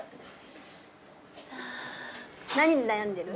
何で悩んでる？